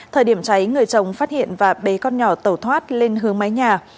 thời điểm cháy người chồng phát hiện và bé con nhỏ tẩu thoát lên hướng máy nhà